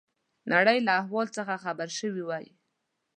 نړۍ له احوال څخه خبر شوي وای.